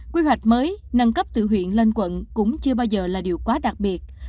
quy hoạch mới nâng cấp từ huyện lên quận cũng chưa bao giờ là điều quá đặc biệt